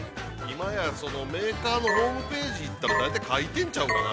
◆今や、そのメーカーのホームページに行ったら、大体書いてん違うかな。